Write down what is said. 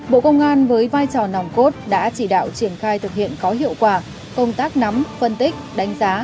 bộ công an với vai trò nòng cốt đã chỉ đạo triển khai thực hiện có hiệu quả công tác nắm phân tích đánh giá